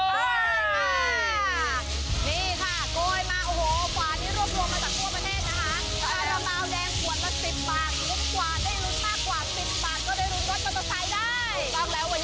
นี่ค่ะโกยมาโอ้โหขวานี้รวบรวมมาจากทั่วประเทศนะฮะ